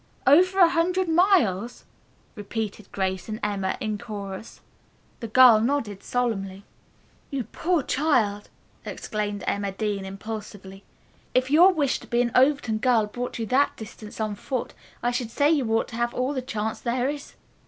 "'Over a hundred miles!'" repeated Grace and Emma in chorus. The girl nodded solemnly. "You poor child!" exclaimed Emma Dean impulsively. "If your wish to be an Overton girl brought you that distance on foot, I should say you ought to have all the chance there is.